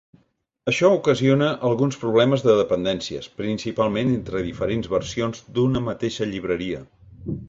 Això ocasiona alguns problemes de dependències, principalment entre diferents versions d'una mateixa llibreria.